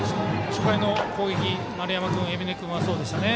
初回の攻撃、丸山君、海老根君はそうでしたね。